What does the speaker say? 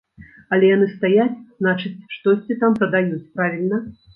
Але яны стаяць, значыць, штосьці там прадаюць, правільна?